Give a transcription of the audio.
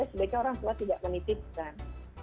sebaiknya orang tua tidak menitipkan